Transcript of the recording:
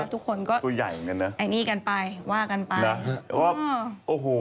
ทุกคนก็ไอ้นี่กันไปว่ากันไปนะครับว่าโอ้โห